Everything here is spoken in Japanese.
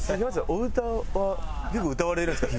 お歌はよく歌われるんですか？